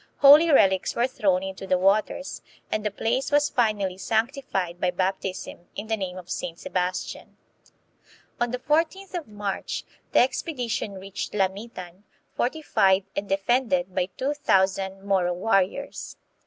Holy relics were thrown into the waters, and the place was finally sanctified by baptism in the name of Saint Sebas tian. On the 14th of March the expedition reached Lamitan, Sulu Barong and Sheath. fortified and defended by two thousand Moro warriors.